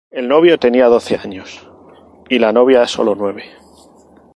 El novio tenía doce años, y la novia, sólo nueve.